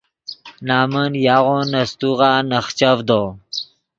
نمن یاغو نے سیتوغا نخچڤدو